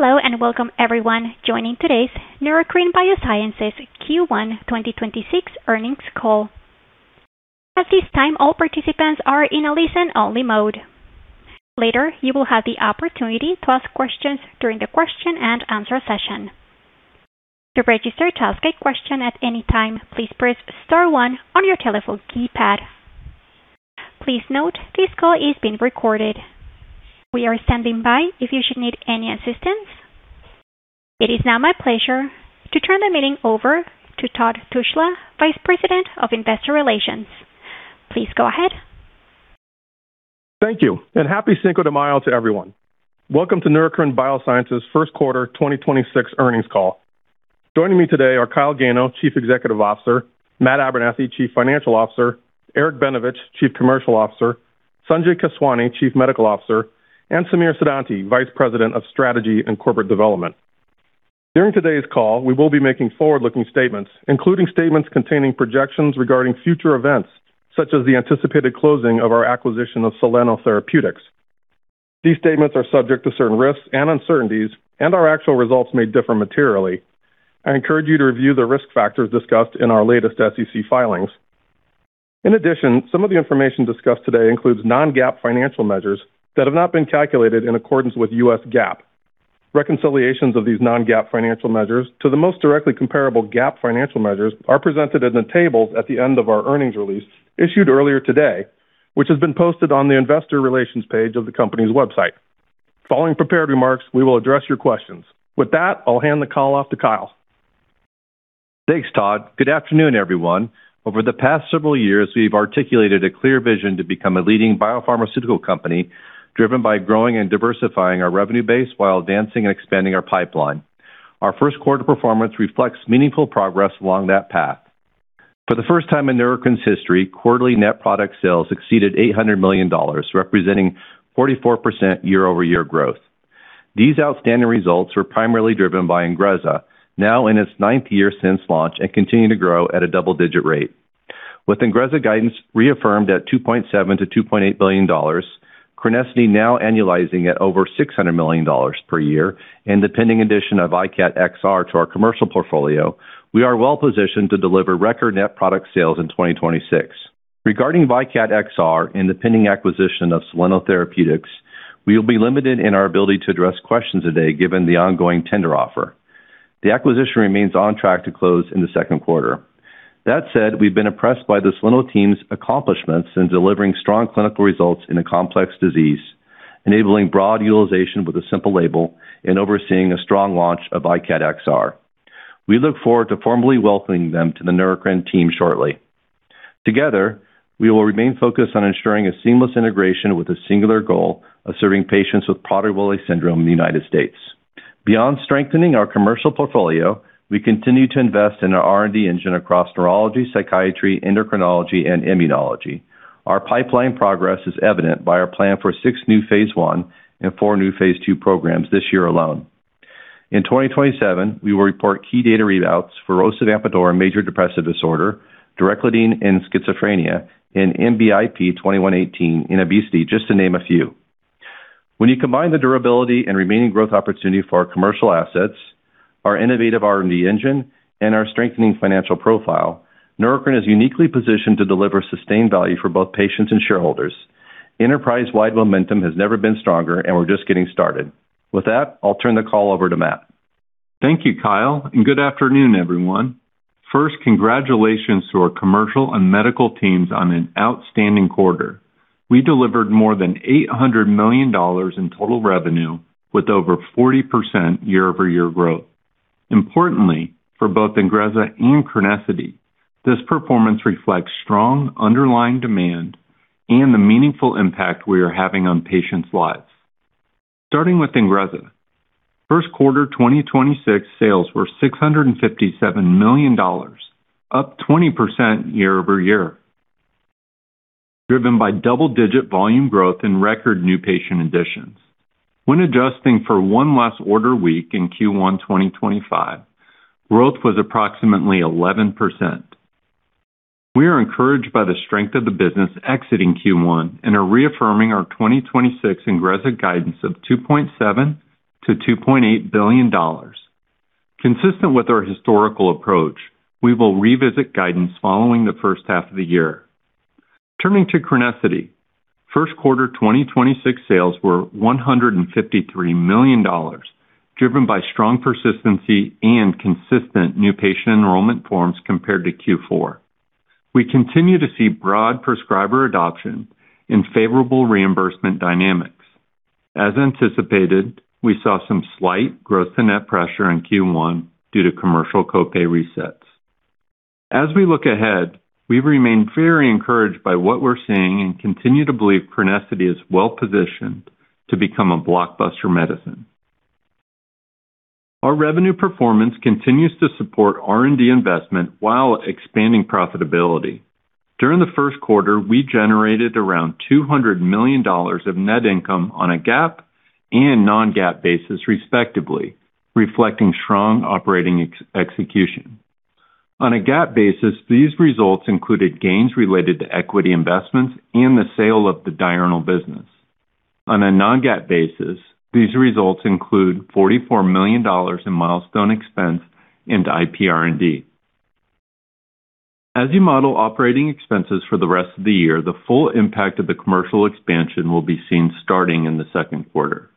Hello welcome everyone joining today's Neurocrine Biosciences Q1 2026 earnings call. At this time, all participants are in a listen-only mode. Later, you will have the opportunity to ask questions during the question-and-answer session. To register to ask a question at any time, please press star one on your telephone keypad. Please note this call is being recorded. We are standing by if you should need any assistance. It is now my pleasure to turn the meeting over to Todd Tushla, Vice President of Investor Relations. Please go ahead. Thank you and happy Cinco de Mayo to everyone. Welcome to Neurocrine Biosciences 1st quarter 2026 earnings call. Joining me today are Kyle Gano, Chief Executive Officer, Matthew Abernethy, Chief Financial Officer, Eric Benevich, Chief Commercial Officer, Sanjay Keswani, Chief Medical Officer, and Samir Siddhanti, Vice President of Strategy and Corporate Development. During today's call, we will be making forward-looking statements, including statements containing projections regarding future events, such as the anticipated closing of our acquisition of Soleno Therapeutics. These statements are subject to certain risks and uncertainties, and our actual results may differ materially. I encourage you to review the risk factors discussed in our latest SEC filings. In addition, some of the information discussed today includes Non-GAAP financial measures that have not been calculated in accordance with U.S. GAAP. Reconciliations of these Non-GAAP financial measures to the most directly comparable GAAP financial measures are presented in the tables at the end of our earnings release issued earlier today, which has been posted on the investor relations page of the company's website. Following prepared remarks, we will address your questions. With that, I'll hand the call off to Kyle. Thanks, Todd. Good afternoon, everyone. Over the past several years, we've articulated a clear vision to become a leading biopharmaceutical company driven by growing and diversifying our revenue base while advancing and expanding our pipeline. Our first quarter performance reflects meaningful progress along that path. For the first time in Neurocrine's history, quarterly net product sales exceeded $800 million, representing 44% year-over-year growth. These outstanding results were primarily driven by INGREZZA, now in its ninth year since launch and continuing to grow at a double-digit rate. With INGREZZA guidance reaffirmed at $2.7 billion-$2.8 billion, CRENESSITY now annualizing at over $600 million per year, and the pending addition of VYKAT XR to our commercial portfolio, we are well-positioned to deliver record net product sales in 2026. Regarding VYKAT XR and the pending acquisition of Soleno Therapeutics, we will be limited in our ability to address questions today, given the ongoing tender offer. The acquisition remains on track to close in the second quarter. That said, we've been impressed by the Soleno team's accomplishments in delivering strong clinical results in a complex disease, enabling broad utilization with a simple label and overseeing a strong launch of VYKAT XR. We look forward to formally welcoming them to the Neurocrine team shortly. Together, we will remain focused on ensuring a seamless integration with the singular goal of serving patients with Prader-Willi syndrome in the United States. Beyond strengthening our commercial portfolio, we continue to invest in our R&D engine across neurology, psychiatry, endocrinology, and immunology. Our pipeline progress is evident by our plan for 6 new phase I and phase II programs this year alone. In 2027, we will report key data readouts for osavampator in Major Depressive Disorder, direclidine in schizophrenia, and NBIP-2118 in obesity, just to name a few. When you combine the durability and remaining growth opportunity for our commercial assets, our innovative R&D engine, and our strengthening financial profile, Neurocrine is uniquely positioned to deliver sustained value for both patients and shareholders. Enterprise-wide momentum has never been stronger, and we're just getting started. With that, I'll turn the call over to Matt. Thank you, Kyle, and good afternoon, everyone. First, congratulations to our commercial and medical teams on an outstanding quarter. We delivered more than $800 million in total revenue with over 40% year-over-year growth. Importantly, for both INGREZZA and CRENESSITY, this performance reflects strong underlying demand and the meaningful impact we are having on patients' lives. Starting with INGREZZA, first quarter 2026 sales were $657 million, up 20% year-over-year, driven by double-digit volume growth and record new patient additions. When adjusting for one less order week in Q1 2025, growth was approximately 11%. We are encouraged by the strength of the business exiting Q1 and are reaffirming our 2026 INGREZZA guidance of $2.7 billion-$2.8 billion. Consistent with our historical approach, we will revisit guidance following the first half of the year. Turning to CRENESSITY, first quarter 2026 sales were $153 million, driven by strong persistency and consistent new patient enrollment forms compared to Q4. We continue to see broad prescriber adoption and favorable reimbursement dynamics. As anticipated, we saw some slight gross to net pressure in Q1 due to commercial co-pay resets. As we look ahead, we remain very encouraged by what we're seeing and continue to believe CRENESSITY is well-positioned to become a blockbuster medicine. Our revenue performance continues to support R&D investment while expanding profitability. During the first quarter, we generated around $200 million of net income on a GAAP and Non-GAAP basis, respectively, reflecting strong operating execution. On a GAAP basis, these results included gains related to equity investments and the sale of the Diurnal business. On a Non-GAAP basis, these results include $44 million in milestone expense into IPR&D. As you model operating expenses for the rest of the year, the full impact of the commercial expansion will be seen starting in the second quarter.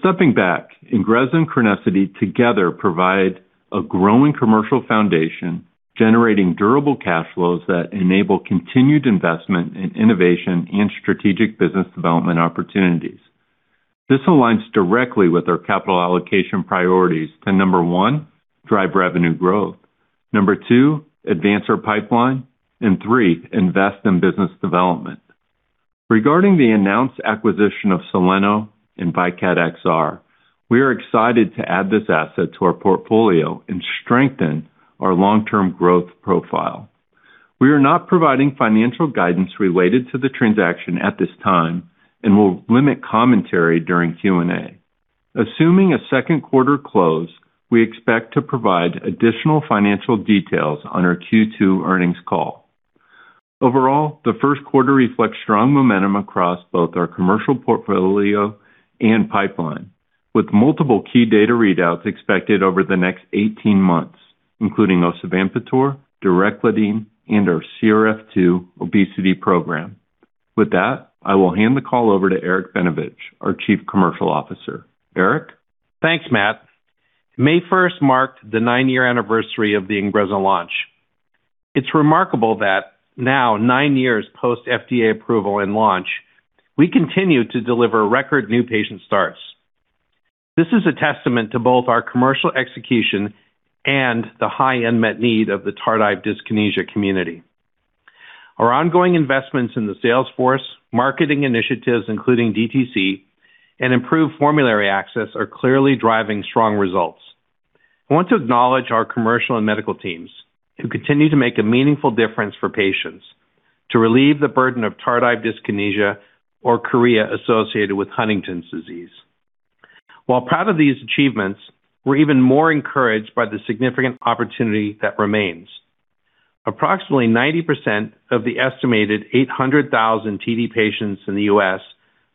Stepping back, INGREZZA and CRENESSITY together provide a growing commercial foundation, generating durable cash flows that enable continued investment in innovation and strategic business development opportunities. This aligns directly with our capital allocation priorities to, number 1, drive revenue growth, number 2, advance our pipeline, and 3, invest in business development. Regarding the announced acquisition of Soleno and VYKAT XR, we are excited to add this asset to our portfolio and strengthen our long-term growth profile. We are not providing financial guidance related to the transaction at this time and will limit commentary during Q&A. Assuming a second quarter close, we expect to provide additional financial details on our Q2 earnings call. Overall, the first quarter reflects strong momentum across both our commercial portfolio and pipeline, with multiple key data readouts expected over the next 18 months, including osavampator, direclidine, and our CRF2 obesity program. With that, I will hand the call over to Eric Benevich, our Chief Commercial Officer. Eric? Thanks, Matt. May 1st marked the nine-year anniversary of the INGREZZA launch. It's remarkable that now 9 years post FDA approval and launch, we continue to deliver record new patient starts. This is a testament to both our commercial execution and the high unmet need of the tardive dyskinesia community. Our ongoing investments in the sales force, marketing initiatives, including DTC, and improved formulary access are clearly driving strong results. I want to acknowledge our commercial and medical teams who continue to make a meaningful difference for patients to relieve the burden of tardive dyskinesia or chorea associated with Huntington's disease. While proud of these achievements, we're even more encouraged by the significant opportunity that remains. Approximately 90% of the estimated 800,000 TD patients in the U.S.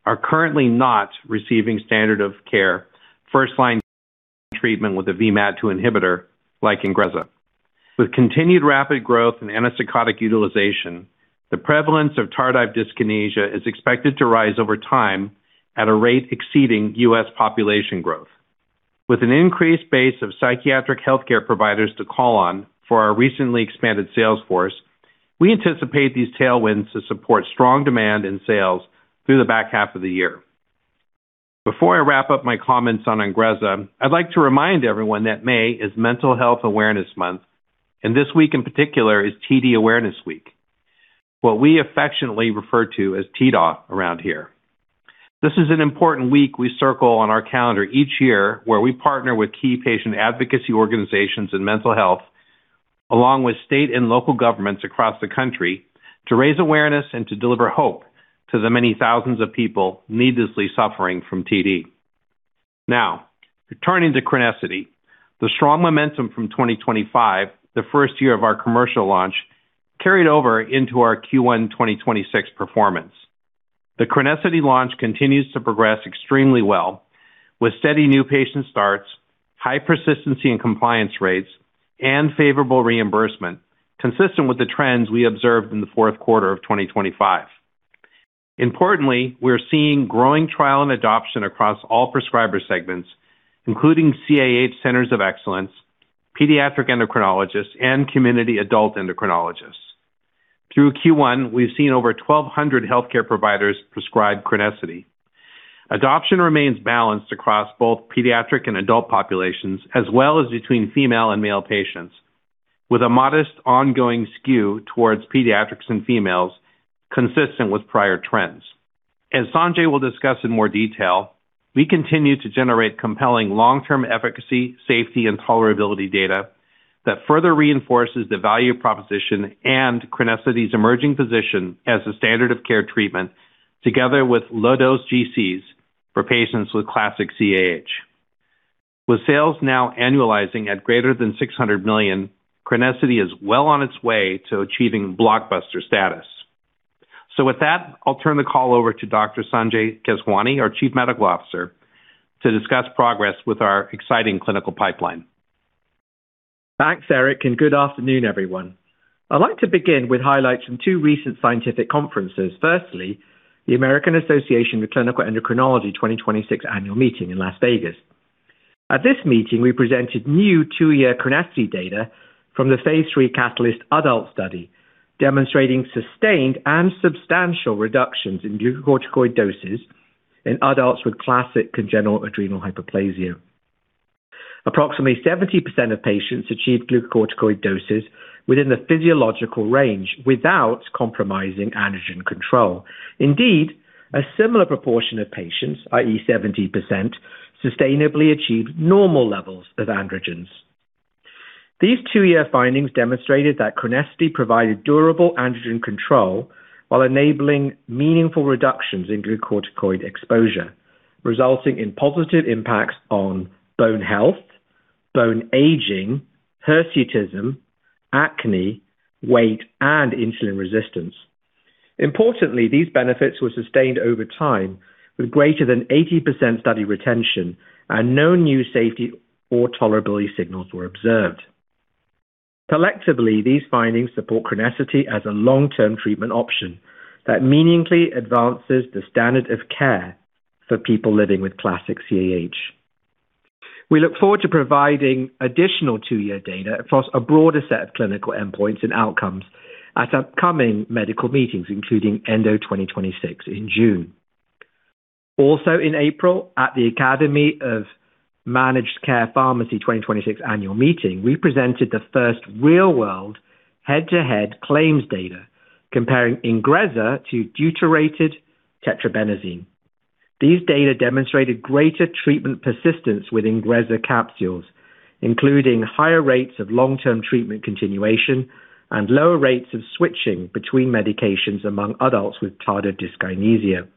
are currently not receiving standard of care first-line treatment with a VMAT2 inhibitor like INGREZZA. With continued rapid growth in antipsychotic utilization, the prevalence of tardive dyskinesia is expected to rise over time at a rate exceeding U.S. population growth. With an increased base of psychiatric healthcare providers to call on for our recently expanded sales force, we anticipate these tailwinds to support strong demand in sales through the back half of the year. Before I wrap up my comments on INGREZZA, I'd like to remind everyone that May is Mental Health Awareness Month, and this week in particular is Tardive Dyskinesia Awareness Week, what we affectionately refer to as TDAW around here. This is an important week we circle on our calendar each year where we partner with key patient advocacy organizations in mental health, along with state and local governments across the country to raise awareness and to deliver hope to the many thousands of people needlessly suffering from TD. Returning to CRENESSITY, the strong momentum from 2025, the first year of our commercial launch, carried over into our Q1 2026 performance. The CRENESSITY launch continues to progress extremely well with steady new patient starts, high persistency and compliance rates, and favorable reimbursement, consistent with the trends we observed in the fourth quarter of 2025. Importantly, we're seeing growing trial and adoption across all prescriber segments, including CAH Centers of Excellence, pediatric endocrinologists, and community adult endocrinologists. Through Q1, we've seen over 1,200 healthcare providers prescribe CRENESSITY. Adoption remains balanced across both pediatric and adult populations, as well as between female and male patients, with a modest ongoing skew towards pediatrics and females consistent with prior trends. As Sanjay will discuss in more detail, we continue to generate compelling long-term efficacy, safety, and tolerability data that further reinforces the value proposition and CRENESSITY's emerging position as a standard of care treatment together with low-dose GCs for patients with classic CAH. With sales now annualizing at greater than $600 million, CRENESSITY is well on its way to achieving blockbuster status. With that, I'll turn the call over to Dr. Sanjay Keswani, our Chief Medical Officer, to discuss progress with our exciting clinical pipeline. Thanks, Eric. Good afternoon, everyone. I'd like to begin with highlights from two recent scientific conferences. Firstly, the American Association of Clinical Endocrinology 2026 annual meeting in Las Vegas. At this meeting, we presented new 2-year CRENESSITY phase IIi cahtalyst adult study, demonstrating sustained and substantial reductions in glucocorticoid doses in adults with classic congenital adrenal hyperplasia. Approximately 70% of patients achieved glucocorticoid doses within the physiological range without compromising androgen control. Indeed, a similar proportion of patients, i.e., 70%, sustainably achieved normal levels of androgens. These 2-year findings demonstrated that CRENESSITY provided durable androgen control while enabling meaningful reductions in glucocorticoid exposure. Resulting in positive impacts on bone health, bone aging, hirsutism, acne, weight, and insulin resistance. Importantly, these benefits were sustained over time with greater than 80% study retention and no new safety or tolerability signals were observed. Collectively, these findings support CRENESSITY as a long-term treatment option that meaningfully advances the standard of care for people living with classic CAH. We look forward to providing additional 2-year data across a broader set of clinical endpoints and outcomes at upcoming medical meetings, including ENDO 2026 in June. In April, at the Academy of Managed Care Pharmacy 2026 annual meeting, we presented the first real-world head-to-head claims data comparing INGREZZA to deuterated tetrabenazine. These data demonstrated greater treatment persistence with INGREZZA capsules, including higher rates of long-term treatment continuation and lower rates of switching between medications among adults with tardive dyskinesia.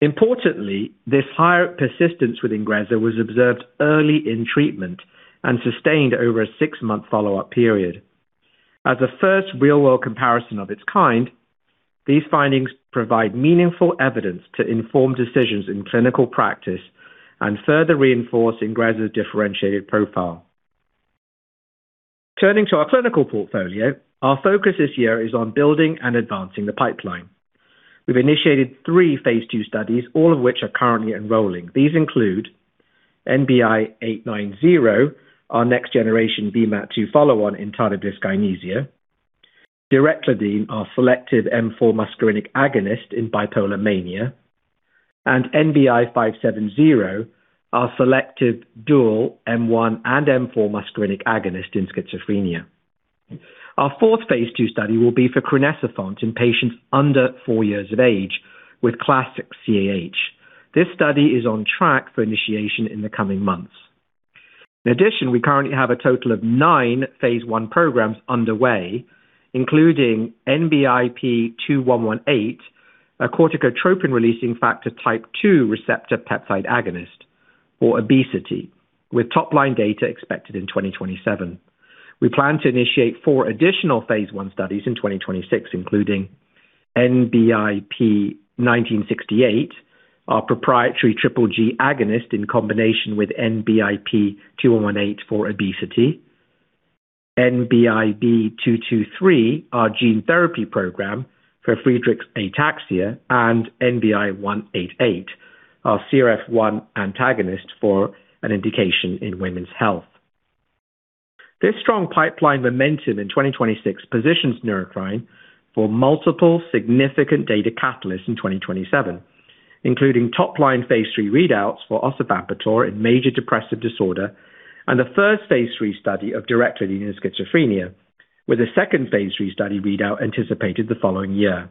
Importantly, this higher persistence with INGREZZA was observed early in treatment and sustained over a 6-month follow-up period. As the first real-world comparison of its kind, these findings provide meaningful evidence to inform decisions in clinical practice and further reinforce INGREZZA's differentiated profile. Turning to our clinical portfolio, our focus this year is on building and advancing the pipeline. We've phase II studies, all of which are currently enrolling. These include NBI-890, our next-generation VMAT2 follow-on in tardive dyskinesia. direclidine, our selective M4 muscarinic agonist in bipolar mania. NBI-'570, our selective dual M1 and M4 muscarinic agonist in schizophrenia. phase II study will be for crinecerfont in patients under 4 years of age with classic CAH. This study is on track for initiation in the coming months. In addition, we currently have a total of nine phase I programs underway, including NBIP-2118, a corticotropin-releasing factor type 2 receptor peptide agonist for obesity, with top-line data expected in 2027. We plan to initiate four additional phase I studies in 2026, including NBIP-1968, our proprietary triple G agonist in combination with NBIP-2118 for obesity. NBIB-223, our gene therapy program for Friedreich's ataxia, and NBI-188, our CRF1 antagonist for an indication in women's health. This strong pipeline momentum in 2026 positions Neurocrine for multiple significant data catalysts in phase IIi readouts for osavampator in Major Depressive Disorder phase IIi study of direclidine in schizophrenia, phase IIi study readout anticipated the following year.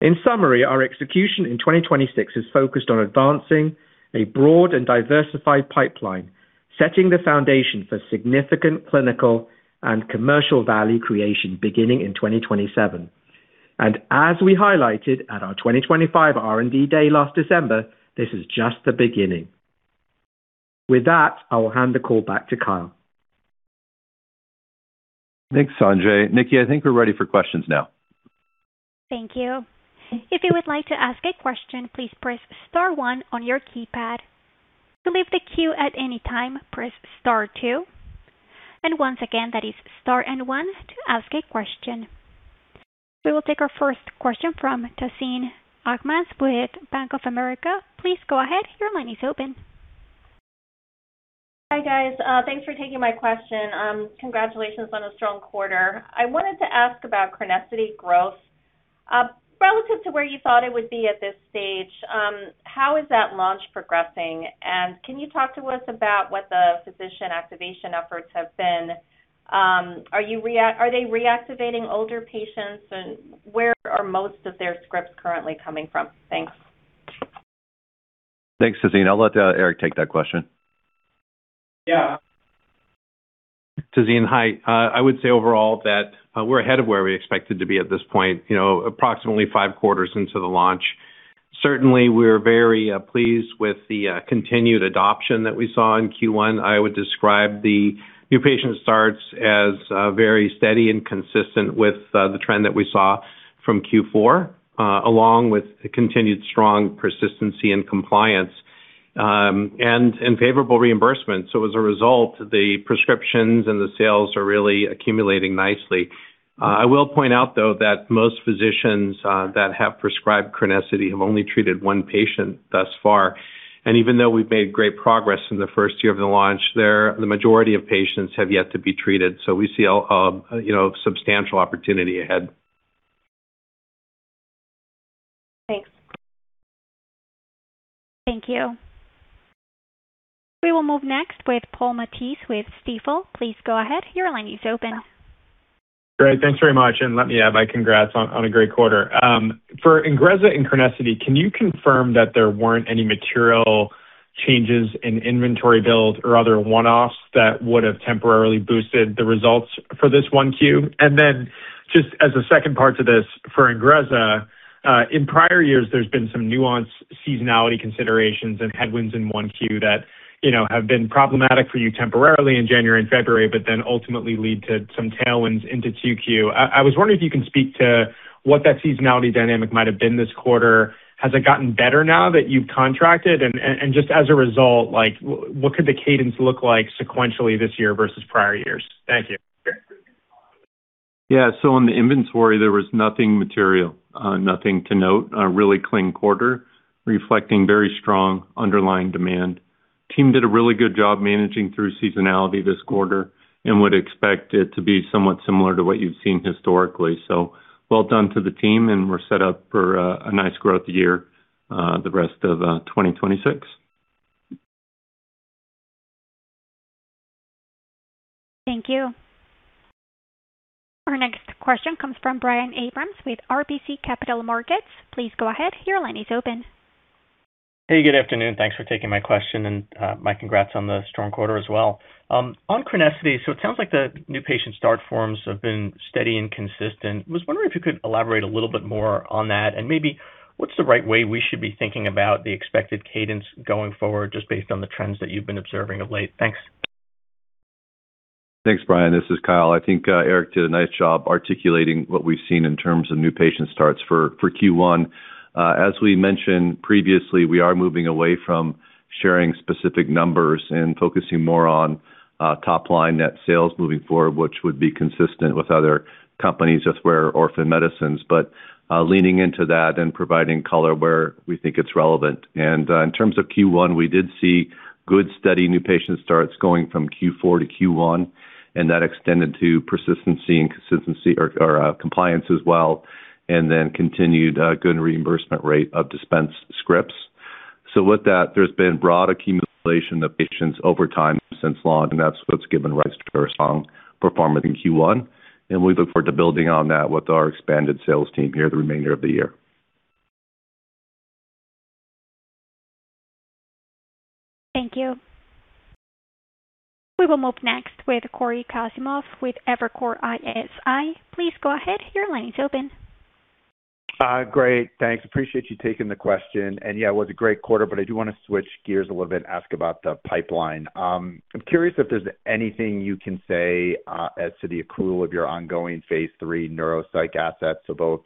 In summary, our execution in 2026 is focused on advancing a broad and diversified pipeline, setting the foundation for significant clinical and commercial value creation beginning in 2027. As we highlighted at our 2025 R&D day last December, this is just the beginning. With that, I will hand the call back to Kyle. Thanks, Sanjay. Nikki, I think we're ready for questions now. Thank you. If you would like to ask a question, please press star one on your keypad. To leave the queue at any time, press star two. Once again, that is star and one to ask a question. We will take our first question from Tazeen Ahmad with Bank of America. Please go ahead. Your line is open. Hi, guys. Thanks for taking my question. Congratulations on a strong quarter. I wanted to ask about CRENESSITY growth. Relative to where you thought it would be at this stage, how is that launch progressing? Can you talk to us about what the physician activation efforts have been? Are they reactivating older patients and where are most of their scripts currently coming from? Thanks. Thanks, Tazeen. I'll let Eric take that question. Yeah. Tazeen, hi. I would say overall that we're ahead of where we expected to be at this point, you know, approximately five quarters into the launch. Certainly, we're very pleased with the continued adoption that we saw in Q1. I would describe the new patient starts as very steady and consistent with the trend that we saw from Q4, along with continued strong persistency and compliance, and favorable reimbursement. As a result, the prescriptions and the sales are really accumulating nicely. I will point out, though, that most physicians that have prescribed CRENESSITY have only treated one patient thus far. Even though we've made great progress in the first year of the launch, the majority of patients have yet to be treated. We see a, you know, substantial opportunity ahead. Thanks. Thank you. We will move next with Paul Matteis with Stifel. Please go ahead. Great. Thanks very much. Let me add my congrats on a great quarter. For INGREZZA and CRENESSITY, can you confirm that there weren't any material changes in inventory build or other one-offs that would have temporarily boosted the results for this 1Q. Just as a second part to this for INGREZZA, in prior years there's been some nuanced seasonality considerations and headwinds in 1Q that, you know, have been problematic for you temporarily in January and February, but ultimately lead to some tailwinds into 2Q. I was wondering if you can speak to what that seasonality dynamic might have been this quarter. Has it gotten better now that you've contracted? Just as a result, like, what could the cadence look like sequentially this year versus prior years? Thank you. Yeah. In the inventory there was nothing material, nothing to note. A really clean quarter reflecting very strong underlying demand. Team did a really good job managing through seasonality this quarter and would expect it to be somewhat similar to what you've seen historically. Well done to the team and we're set up for a nice growth year, the rest of 2026. Thank you. Our next question comes from Brian Abrahams with RBC Capital Markets. Please go ahead. Your line is open. Hey, good afternoon. Thanks for taking my question and my congrats on the strong quarter as well. On CRENESSITY, it sounds like the new patient start forms have been steady and consistent. Was wondering if you could elaborate a little bit more on that and maybe what's the right way we should be thinking about the expected cadence going forward just based on the trends that you've been observing of late? Thanks. Thanks, Brian. This is Kyle. I think Eric did a nice job articulating what we've seen in terms of new patient starts for Q1. As we mentioned previously, we are moving away from sharing specific numbers and focusing more on top line net sales moving forward, which would be consistent with other companies that wear orphan medicines. Leaning into that and providing color where we think it's relevant. In terms of Q1, we did see good steady new patient starts going from Q4-Q1, and that extended to persistency and consistency or compliance as well, and then continued good reimbursement rate of dispense scripts. With that, there's been broad accumulation of patients over time since launch, and that's what's given rise to our strong performance in Q1, and we look forward to building on that with our expanded sales team here the remainder of the year. Thank you. We will move next with Cory Kasimov with Evercore ISI. Please go ahead. Your line is open. Great. Thanks. Appreciate you taking the question. Yeah, it was a great quarter, but I do wanna switch gears a little bit and ask about the pipeline. I'm curious if there's anything you can say as to the accrual phase IIi neuropsych assets. so both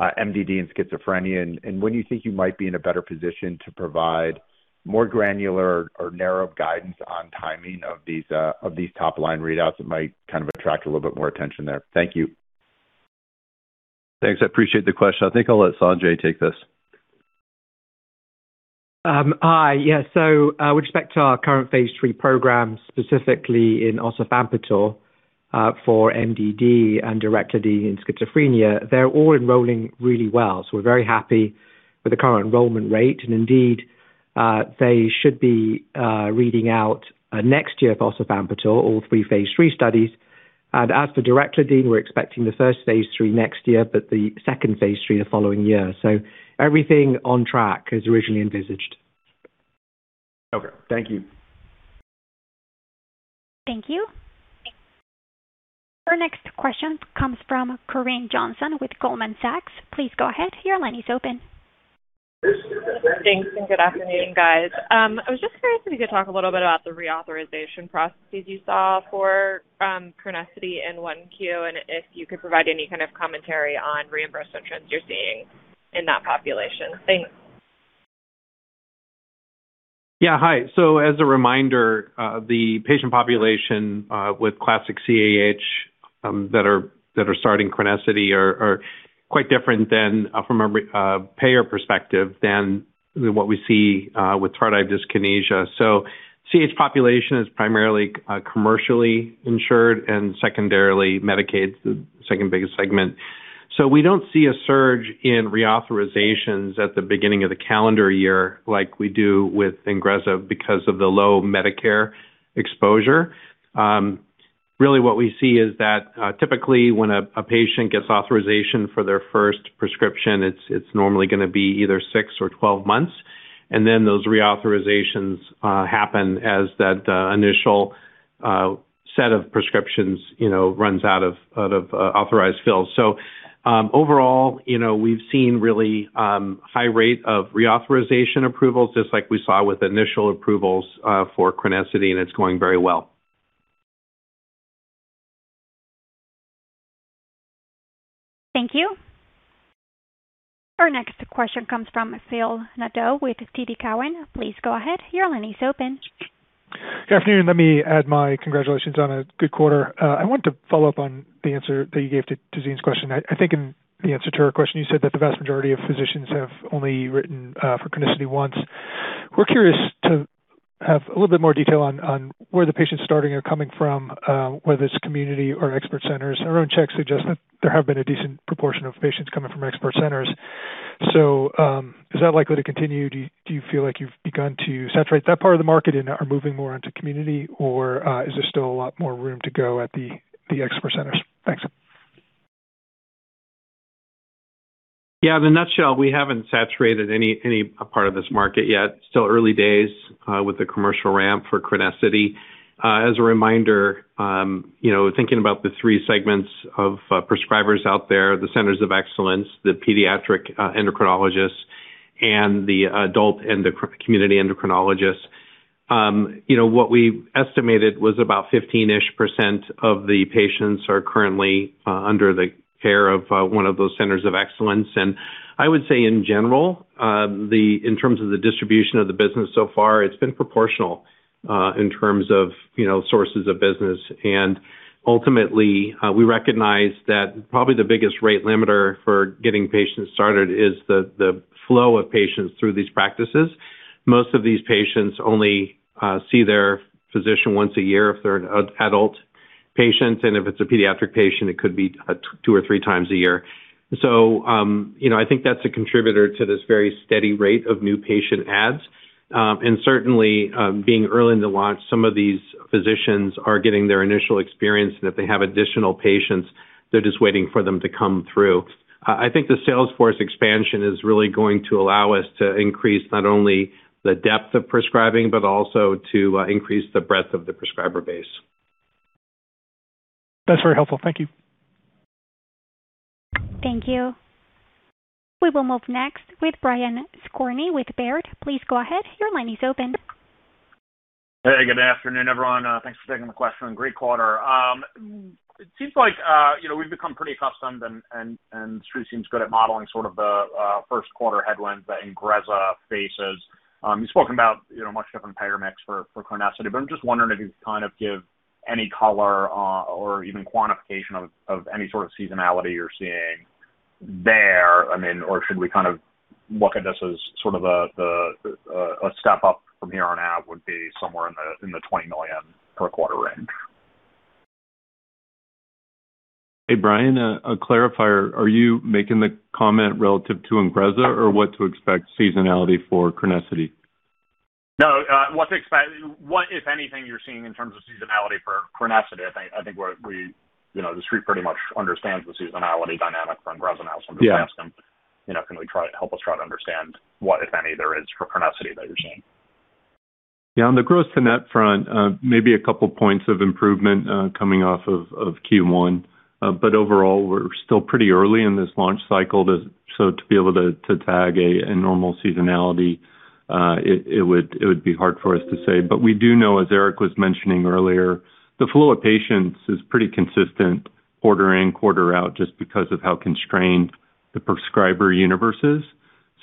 MDD and schizophrenia, and when you think you might be in a better position to provide more granular or narrow guidance on timing of these top line readouts that might kind of attract a little bit more attention there. Thank you. Thanks. I appreciate the question. I think I'll let Sanjay take this. With respect phase IIi programs, specifically in osavampator for MDD and direclidine in schizophrenia, they're all enrolling really well. We're very happy with the current enrollment rate. Indeed, they should be reading out next year for phase IIi studies. as for direclidine, we're phase IIi the following year. Everything on track as originally envisaged. Okay. Thank you. Thank you. Our next question comes from Corinne Johnson with Goldman Sachs. Please go ahead. Thanks. Good afternoon, guys. I was just curious if you could talk a little bit about the reauthorization processes you saw for CRENESSITY in Q1, and if you could provide any kind of commentary on reimbursement trends you're seeing in that population. Thanks. Hi. As a reminder, the patient population with classic CAH that are starting CRENESSITY are quite different than from a payer perspective than what we see with tardive dyskinesia. CAH population is primarily commercially insured and secondarily Medicaid is the second biggest segment. We don't see a surge in reauthorizations at the beginning of the calendar year like we do with INGREZZA because of the low Medicare exposure. Really what we see is that typically when a patient gets authorization for their first prescription, it's normally gonna be either 6 months or 12 months. Then those reauthorizations happen as that initial set of prescriptions, you know, runs out of authorized fills. Overall, you know, we've seen really high rate of reauthorization approvals just like we saw with initial approvals for CRENESSITY, and it's going very well. Thank you. Our next question comes from Phil Nadeau with TD Cowen. Please go ahead. Your line is open. Good afternoon. Let me add my congratulations on a good quarter. I want to follow up on the answer that you gave to Tazeen's question. I think in the answer to her question, you said that the vast majority of physicians have only written for CRENESSITY once. We're curious to have a little bit more detail on where the patients starting are coming from, whether it's community or expert centers. Our own checks suggest that there have been a decent proportion of patients coming from expert centers. Is that likely to continue? Do you feel like you've begun to saturate that part of the market and are moving more into community, or is there still a lot more room to go at the expert centers? Thanks. Yeah, in a nutshell, we haven't saturated any part of this market yet. Still early days with the commercial ramp for CRENESSITY. As a reminder, you know, thinking about the three segments of prescribers out there, the CAH Centers of Excellence, the pediatric endocrinologists and the adult community endocrinologists. You know, what we estimated was about 15-ish% of the patients are currently under the care of one of those CAH Centers of Excellence. I would say in general, in terms of the distribution of the business so far, it's been proportional in terms of, you know, sources of business. Ultimately, we recognize that probably the biggest rate limiter for getting patients started is the flow of patients through these practices. Most of these patients only see their physician once a year if they're an adult patient. If it's a pediatric patient, it could be two or three times a year. You know, I think that's a contributor to this very steady rate of new patient adds. Certainly, being early in the launch, some of these physicians are getting their initial experience, and if they have additional patients, they're just waiting for them to come through. I think the sales force expansion is really going to allow us to increase not only the depth of prescribing, but also to increase the breadth of the prescriber base. That's very helpful. Thank you. Thank you. We will move next with Brian Skorney with Baird. Please go ahead. Your line is open. Hey, good afternoon, everyone. Thanks for taking the question. Great quarter. It seems like, you know, we've become pretty accustomed and the street seems good at modeling sort of the first quarter headlines that INGREZZA faces. You've spoken about, you know, much different payer mix for CRENESSITY, but I'm just wondering if you could kind of give any color or even quantification of any sort of seasonality you're seeing there. I mean, or should we kind of look at this as sort of a step up from here on out would be somewhere in the $20 million per quarter range? Hey, Brian, a clarifier. Are you making the comment relative to INGREZZA or what to expect seasonality for CRENESSITY? No, What, if anything, you're seeing in terms of seasonality for CRENESSITY? I think we, you know, the street pretty much understands the seasonality dynamic for INGREZZA now. Yeah. I'm just asking, you know, help us try to understand what, if any, there is for CRENESSITY that you're seeing? Yeah, on the gross-to-net front, maybe a couple points of improvement coming off of Q1. Overall, we're still pretty early in this launch cycle to be able to tag a normal seasonality, it would be hard for us to say. We do know, as Eric was mentioning earlier, the flow of patients is pretty consistent quarter in, quarter out, just because of how constrained the prescriber universe is.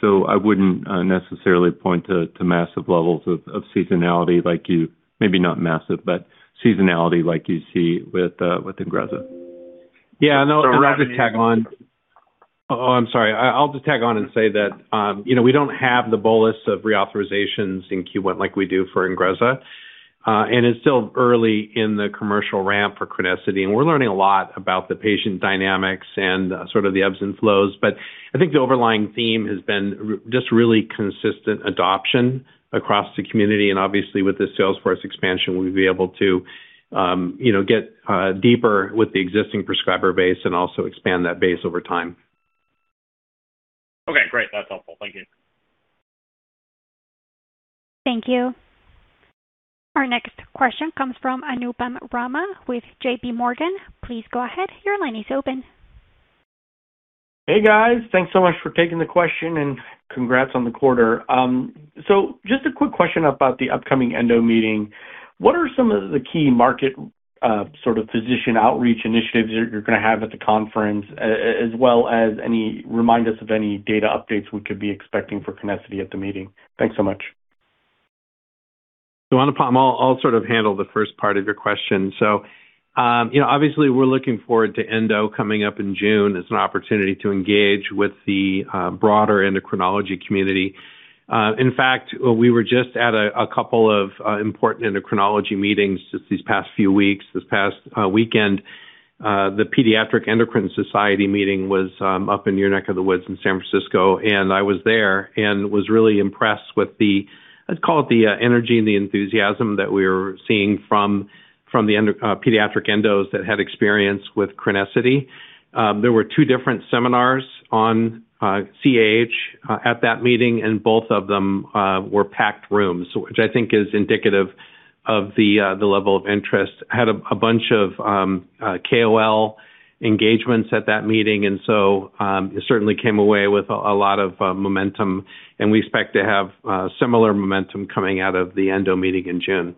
I wouldn't necessarily point to massive levels of seasonality like you Maybe not massive, but seasonality like you see with INGREZZA. Yeah. No. I'll just tag on. Oh, I'm sorry. I'll just tag on and say that, you know, we don't have the bolus of reauthorizations in Q1 like we do for INGREZZA. It's still early in the commercial ramp for CRENESSITY, and we're learning a lot about the patient dynamics and, sort of the ebbs and flows. I think the overlying theme has been just really consistent adoption across the community. Obviously, with the sales force expansion, we'll be able to, you know, get deeper with the existing prescriber base and also expand that base over time. Okay, great. That's helpful. Thank you. Thank you. Our next question comes from Anupam Rama with JPMorgan. Hey, guys. Thanks so much for taking the question, and congrats on the quarter. Just a quick question about the upcoming ENDO meeting. What are some of the key market, sort of physician outreach initiatives you're gonna have at the conference? Remind us of any data updates we could be expecting for CRENESSITY at the meeting. Thanks so much. Anupam, I'll sort of handle the first part of your question. You know, obviously we're looking forward to ENDO coming up in June as an opportunity to engage with the broader endocrinology community. In fact, we were just at a couple of important endocrinology meetings just these past few weeks. This past weekend, the Pediatric Endocrine Society meeting was up in your neck of the woods in San Francisco, and I was there and was really impressed with the, let's call it the energy and the enthusiasm that we were seeing from pediatric endos that had experience with CRENESSITY. There were 2 different seminars on CAH at that meeting, and both of them were packed rooms, which I think is indicative of the level of interest. Had a bunch of KOL engagements at that meeting, and so, certainly came away with a lot of momentum. We expect to have similar momentum coming out of the ENDO meeting in June.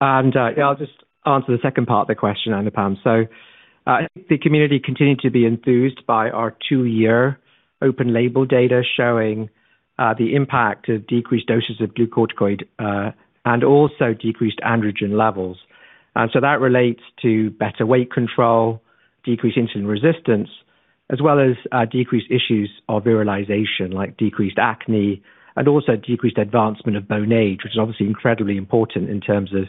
Yeah, I'll just answer the second part of the question, Anupam. I think the community continued to be enthused by our 2-year open label data showing the impact of decreased doses of glucocorticoid and also decreased androgen levels. That relates to better weight control, decreased insulin resistance, as well as decreased issues of virilization, like decreased acne and also decreased advancement of bone age, which is obviously incredibly important in terms of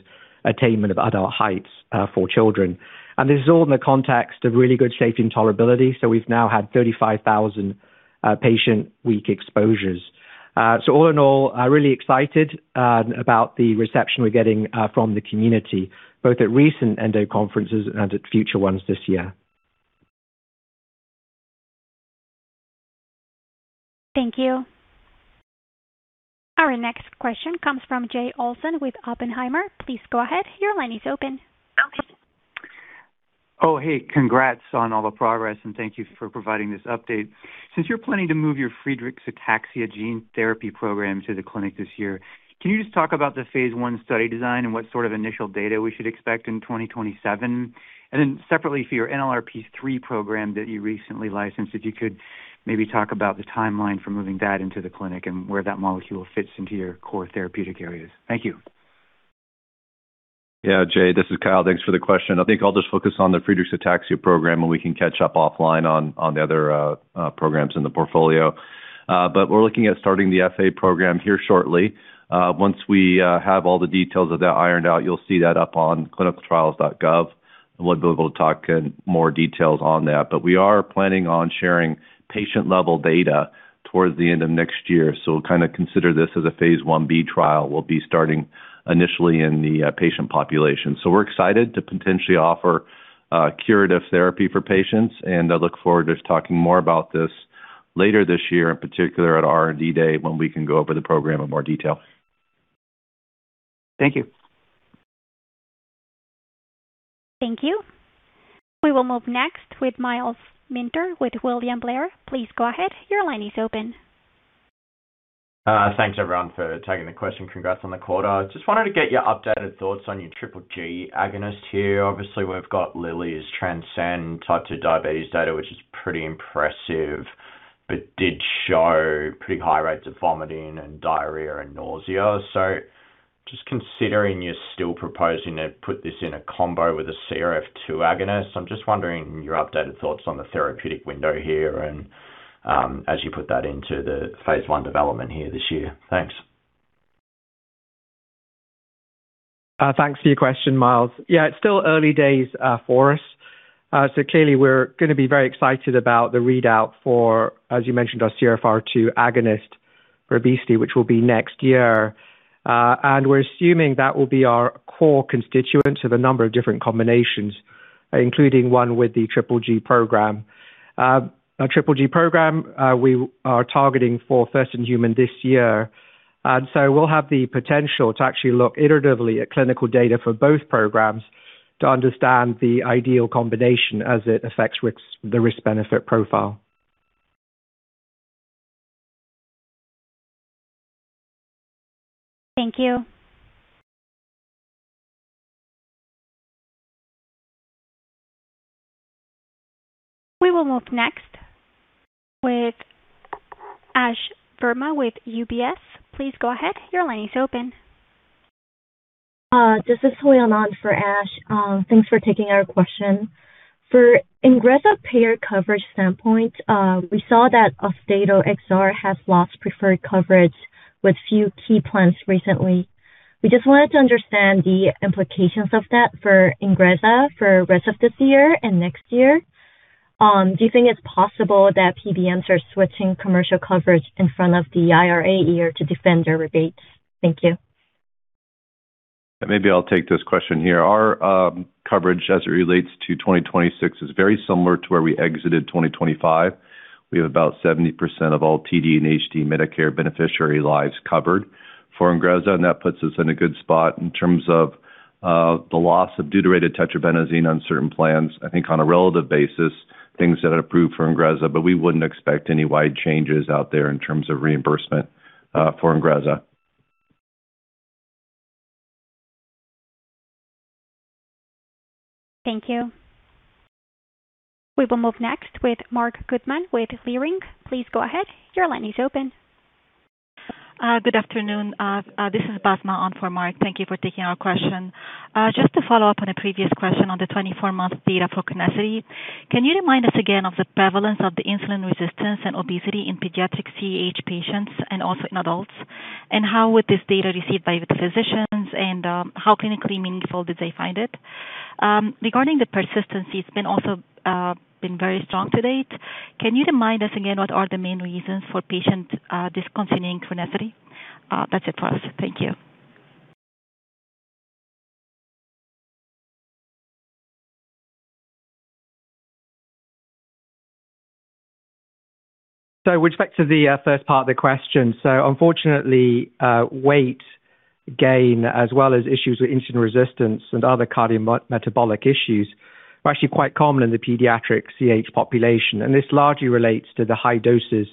attainment of adult heights for children. This is all in the context of really good safety and tolerability. We've now had 35,000 patient week exposures. All in all, I'm really excited about the reception we're getting from the community, both at recent Endo conferences and at future ones this year. Thank you. Our next question comes from Jay Olson with Oppenheimer. Please go ahead. Your line is open. Oh, hey, congrats on all the progress, and thank you for providing this update. Since you're planning to move your Friedreich's ataxia gene therapy program to the clinic this year, can you just talk about the phase I study design and what sort of initial data we should expect in 2027? Separately for your NLRP3 program that you recently licensed, if you could maybe talk about the timeline for moving that into the clinic and where that molecule fits into your core therapeutic areas. Thank you. Yeah. Jay, this is Kyle. Thanks for the question. I think I'll just focus on the Friedreich's ataxia program, we can catch up offline on the other programs in the portfolio. We're looking at starting the FA program here shortly. Once we have all the details of that ironed out, you'll see that up on clinicaltrials.gov. We'll be able to talk in more details on that. We are planning on sharing patient-level data towards the end of next year. Kind of consider this as a phase I-b trial. We'll be starting initially in the patient population. We're excited to potentially offer curative therapy for patients, I look forward to talking more about this later this year, in particular at R&D Day, when we can go over the program in more detail. Thank you. Thank you. We will move next with Myles Minter with William Blair. Thanks everyone for taking the question. Congrats on the quarter. Just wanted to get your updated thoughts on your triple G agonist here. Obviously, we've got Lilly's TRANSCEND type 2 diabetes data, which is pretty impressive, but did show pretty high rates of vomiting and diarrhea and nausea. Just considering you're still proposing to put this in a combo with a CRF2 agonist, I'm just wondering your updated thoughts on the therapeutic window here and, as you put that into the phase I development here this year. Thanks. Thanks for your question, Myles Minter. It's still early days for us. Clearly we're gonna be very excited about the readout for, as you mentioned, our CRF2 agonist for obesity, which will be next year. We're assuming that will be our core constituent to the number of different combinations, including one with the Triple G program. Our Triple G program, we are targeting for first-in-human this year. We'll have the potential to actually look iteratively at clinical data for both programs to understand the ideal combination as it affects the risk/benefit profile. Thank you. We will move next with Ashwani Verma with UBS. Please go ahead. Your line is open. This is Hoyle on for Ash. Thanks for taking our question. For INGREZZA payer coverage standpoint, we saw that VYKAT XR has lost preferred coverage with few key plans recently. We just wanted to understand the implications of that for INGREZZA for rest of this year and next year. Do you think it's possible that PBMs are switching commercial coverage in front of the IRA year to defend their rebates? Thank you. Maybe I'll take this question here. Our coverage as it relates to 2026 is very similar to where we exited 2025. We have about 70% of all TD and HD Medicare beneficiary lives covered for INGREZZA, and that puts us in a good spot in terms of the loss of deuterated tetrabenazine on certain plans. I think on a relative basis, things that are approved for INGREZZA, but we wouldn't expect any wide changes out there in terms of reimbursement for INGREZZA. Thank you. We will move next with Marc Goodman with Leerink. Please go ahead. Your line is open. Good afternoon. This is Basma on for Marc. Thank you for taking our question. Just to follow up on a previous question on the 24-month data for CRENESSITY, can you remind us again of the prevalence of the insulin resistance and obesity in pediatric CAH patients and also in adults? How would this data received by the physicians and how clinically meaningful did they find it? Regarding the persistency, it's been also been very strong to date. Can you remind us again what are the main reasons for patient discontinuing CRENESSITY? That's it for us. Thank you. With respect to the first part of the question. Unfortunately, weight gain as well as issues with insulin resistance and other cardiometabolic issues are actually quite common in the pediatric CAH population, and this largely relates to the high doses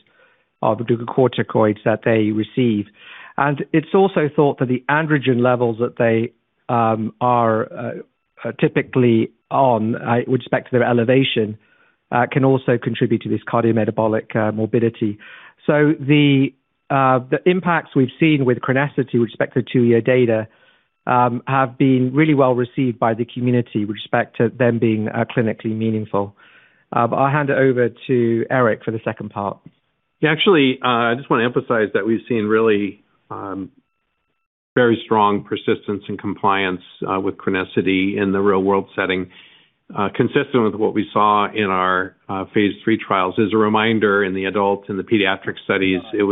of glucocorticoids that they receive. It's also thought that the androgen levels that they are typically on with respect to their elevation can also contribute to this cardiometabolic morbidity. The impacts we've seen with CRENESSITY with respect to 2-year data have been really well received by the community with respect to them being clinically meaningful. I'll hand it over to Eric for the second part. Yeah, actually, I just want to emphasize that we've seen really very strong persistence and compliance with CRENESSITY in the real-world setting, consistent with what we phase IIi trials. as a reminder, in the adult and the pediatric studies, it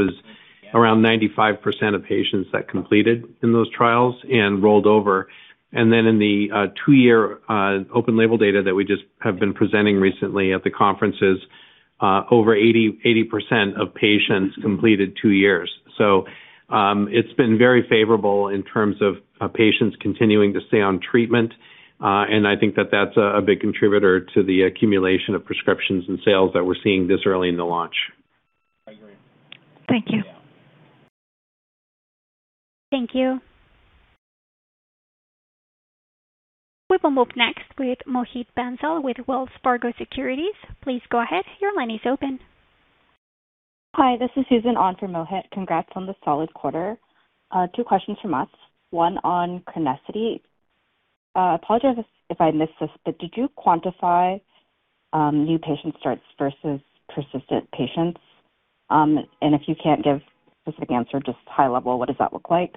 was around 95% of patients that completed in those trials and rolled over. In the 2-year open label data that we just have been presenting recently at the conferences, over 80% of patients completed 2-years. It's been very favorable in terms of patients continuing to stay on treatment, and I think that that's a big contributor to the accumulation of prescriptions and sales that we're seeing this early in the launch. I agree. Thank you. Thank you. We will move next with Mohit Bansal with Wells Fargo Securities. Please go ahead. Your line is open. Hi, this is Susan on for Mohit. Congrats on the solid quarter. 2 questions from us. One on CRENESSITY. I apologize if I missed this, but did you quantify new patient starts versus persistent patients? If you can't give specific answer, just high level, what does that look like?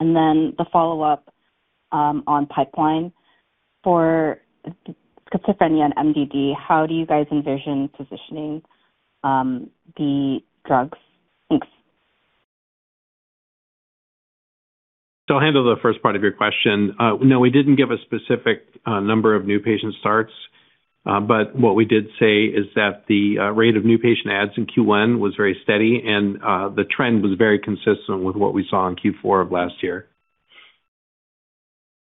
The follow-up on pipeline. For schizophrenia and MDD, how do you guys envision positioning the drugs? Thanks. I'll handle the first part of your question. No, we didn't give a specific number of new patient starts. What we did say is that the rate of new patient adds in Q1 was very steady, and the trend was very consistent with what we saw in Q4 of last year.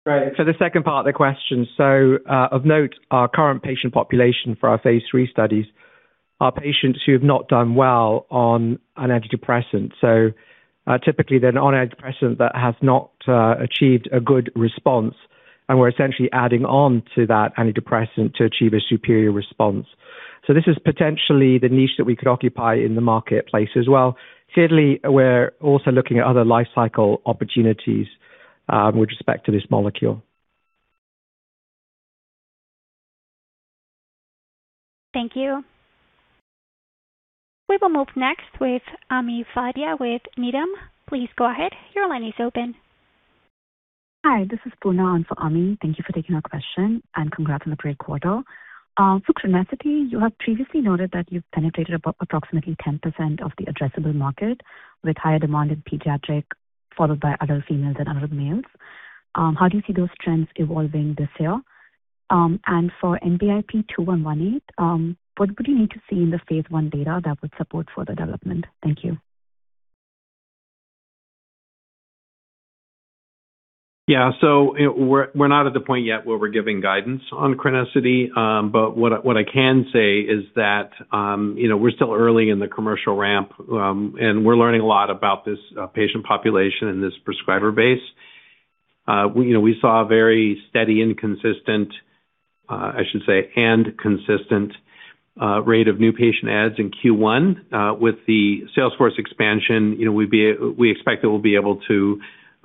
Right. The second part of the question. Of note, our current patient phase IIi studies are patients who have not done well on an antidepressant. Typically they're an antidepressant that has not achieved a good response, and we're essentially adding on to that antidepressant to achieve a superior response. This is potentially the niche that we could occupy in the marketplace as well. Clearly, we're also looking at other lifecycle opportunities with respect to this molecule. Thank you. We will move next with Ami Fadia with Needham. Please go ahead. Your line is open. Hi, this is Poorna Kannan on for Ami Fadia. Thank you for taking our question, and congrats on the great quarter. For CRENESSITY, you have previously noted that you've penetrated about approximately 10% of the addressable market with higher demand in pediatric followed by adult females and adult males. How do you see those trends evolving this year? And for NBIP-2118, what would you need to see in the phase I data that would support further development? Thank you. We're not at the point yet where we're giving guidance on CRENESSITY. What I can say is that, you know, we're still early in the commercial ramp, and we're learning a lot about this patient population and this prescriber base. We, you know, we saw a very steady and consistent, I should say, and consistent, rate of new patient adds in Q1. With the sales force expansion, you know, we expect that we'll be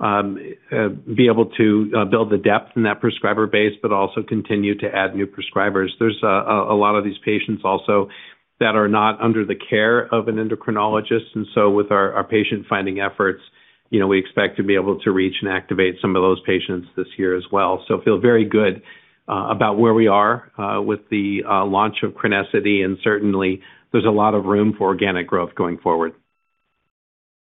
able to be able to build the depth in that prescriber base, but also continue to add new prescribers. There's a lot of these patients also that are not under the care of an endocrinologist. With our patient-finding efforts, you know, we expect to be able to reach and activate some of those patients this year as well. Feel very good about where we are with the launch of CRENESSITY, certainly there's a lot of room for organic growth going forward.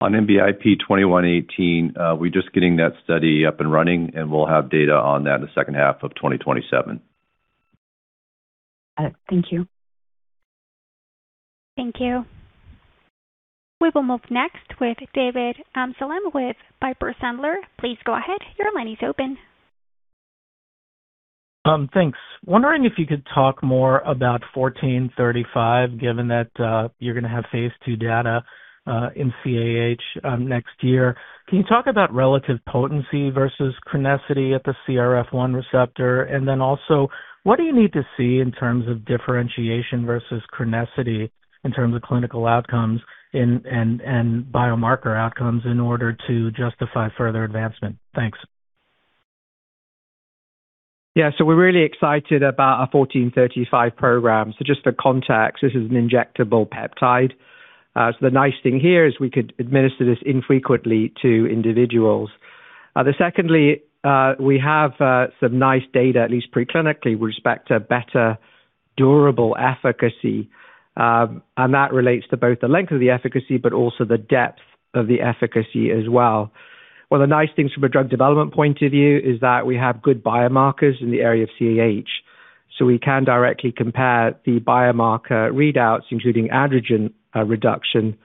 On NBIP-2118, we're just getting that study up and running, and we'll have data on that in the second half of 2027. Got it. Thank you. Thank you. We will move next with David Amsellem with Piper Sandler. Please go ahead. Your line is open. Thanks. Wondering if you could talk more about NBIP-01435, given that you're phase II data in CAH next year. Can you talk about relative potency versus CRENESSITY at the CRF1 receptor? Then also, what do you need to see in terms of differentiation versus CRENESSITY in terms of clinical outcomes and biomarker outcomes in order to justify further advancement? Thanks. Yeah. We're really excited about our NBIP-01435 program. Just for context, this is an injectable peptide. The nice thing here is we could administer this infrequently to individuals. Secondly, we have some nice data, at least preclinically, with respect to better durable efficacy, and that relates to both the length of the efficacy, but also the depth of the efficacy as well. One of the nice things from a drug development point of view is that we have good biomarkers in the area of CAH. We can directly compare the biomarker readouts, including androgen reduction,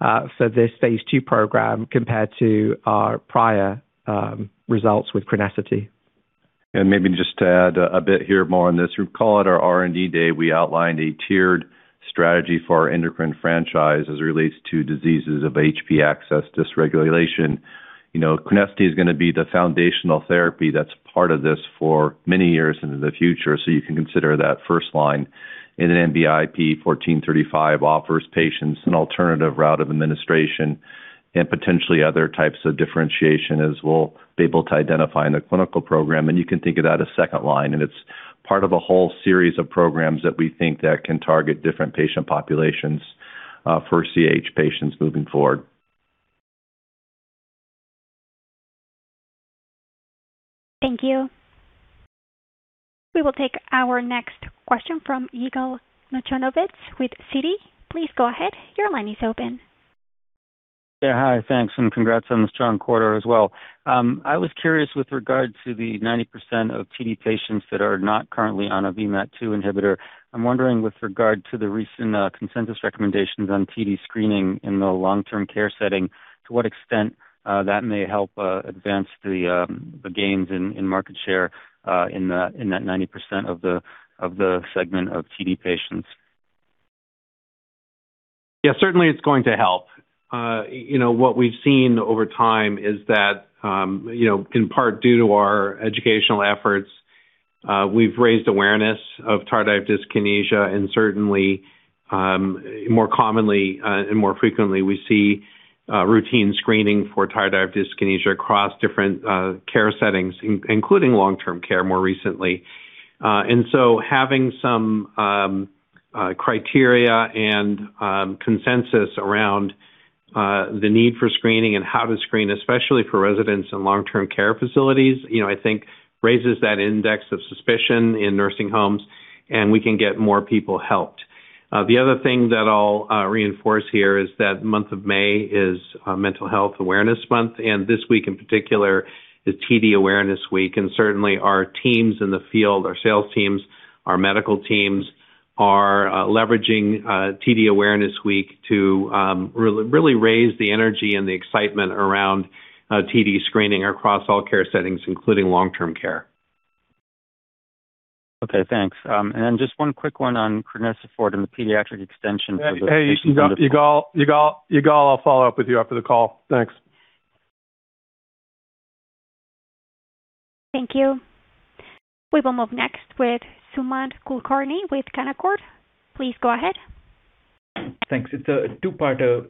phase II program compared to our prior results with CRENESSITY. Maybe just to add a bit here more on this. You call it our R&D day. We outlined a tiered strategy for our endocrine franchise as it relates to diseases of HPA axis dysregulation. You know, CRENESSITY is gonna be the foundational therapy that's part of this for many years into the future. You can consider that first line in an NBIP-01435 offers patients an alternative route of administration and potentially other types of differentiation as we'll be able to identify in the clinical program. You can think of that as second line. Part of a whole series of programs that we think that can target different patient populations, for CAH patients moving forward. Thank you. We will take our next question from Yigal Nochomovitz with Citi. Please go ahead. Your line is open. Yeah. Hi. Thanks. Congrats on the strong quarter as well. I was curious with regard to the 90% of TD patients that are not currently on a VMAT2 inhibitor. I'm wondering, with regard to the recent consensus recommendations on TD screening in the long-term care setting, to what extent that may help advance the gains in market share in that 90% of the segment of TD patients? Yeah. Certainly it's going to help. You know, what we've seen over time is that, you know, in part due to our educational efforts, we've raised awareness of tardive dyskinesia and certainly, more commonly, and more frequently, we see routine screening for tardive dyskinesia across different care settings, including long-term care more recently. Having some criteria and consensus around the need for screening and how to screen, especially for residents in long-term care facilities, you know, I think raises that index of suspicion in nursing homes, and we can get more people helped. The other thing that I'll reinforce here is that month of May is Mental Health Awareness Month, and this week in particular is TD Awareness Week. Certainly our teams in the field, our sales teams, our medical teams are leveraging TD Awareness Week to really raise the energy and the excitement around TD screening across all care settings, including long-term care. Okay. Thanks. Just 1 quick 1 on CRENESSITY and the pediatric extension for those patients under- Hey, you can go Yigal, I'll follow up with you after the call. Thanks. Thank you. We will move next with Sumant Kulkarni with Canaccord. Please go ahead. Thanks. It's a two-parter.